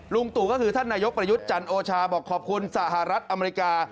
ตู่ก็คือท่านนายกประยุทธ์จันโอชาบอกขอบคุณสหรัฐอเมริกา